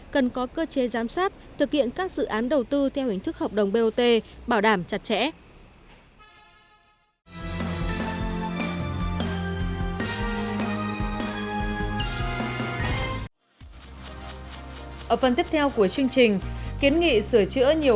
cần có cơ chế giám sát thực hiện các dự án đầu tư theo hình thức hợp đồng bot bảo đảm chặt chẽ